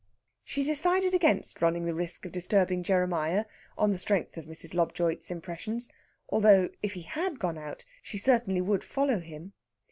She decided against running the risk of disturbing Jeremiah on the strength of Mrs. Lobjoit's impressions; although, if he had gone out, she certainly would follow him.